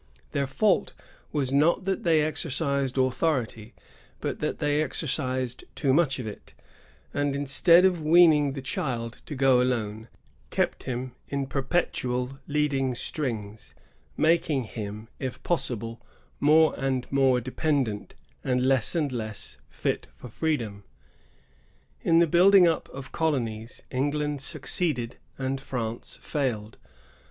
Their fault was not that they exercised authority, but that they exercised too much of it, and, instead of weaning the child to go alone, kept him in perpetual leading strings, making him, if possible, more and more dependent, and less and less fit for freedom. In the building up of colonies, England succeeded and France failed.